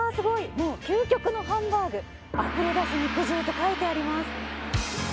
もう「究極のハンバーグ」「溢れ出す肉汁」と書いてあります。